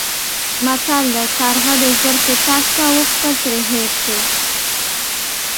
متل دی: کارغه د زرکې تګ کاوه خپل ترې هېر شو.